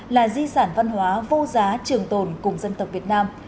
là di sản văn hóa vô giá trường tồn cùng dân tộc việt nam